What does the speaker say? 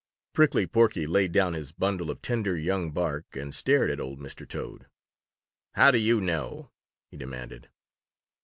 Prickly Porky laid down his bundle of tender young bark and stared at old Mr. Toad, "How do you know?" he demanded.